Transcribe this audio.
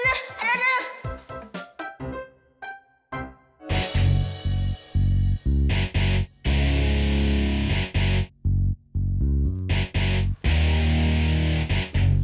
ah ma dia